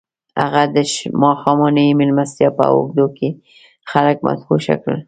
هغه د ماښامنۍ مېلمستیا په اوږدو کې خلک مدهوشه کړل